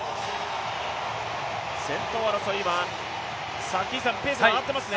先頭争いは、ペースが上がっていますね。